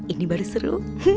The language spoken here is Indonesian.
ini baru seru